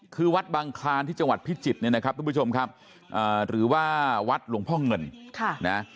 คือวัดบางคลานที่จังหวัดพิจิตรทุกผู้ชมครับหรือว่าวัดหลวงพ่อเงิน